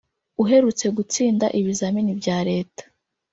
uherutse gutsinda ibizamini bya reta